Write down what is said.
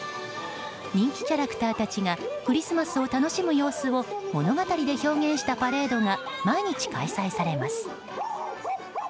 人気キャラクターたちがクリスマスを楽しむ様子を物語で表現したパレードが毎日開催されます。